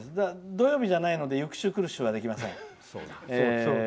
土曜日じゃないので「ゆく週くる週」はできません。